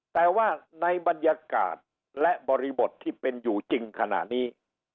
แต่ว่าในบรรยากาศและบริบทที่เป็นอยู่จริงขณะนี้